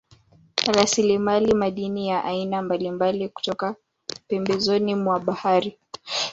Rasilimali madini ya aina mbalimbali kutoka pembezoni mwa bahari